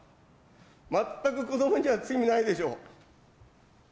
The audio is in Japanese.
全く子どもには罪ないでしょ。